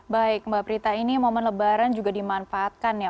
baik mbak prita ini momen lebaran juga dimanfaatkan ya